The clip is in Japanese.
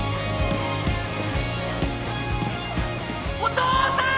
お父さん！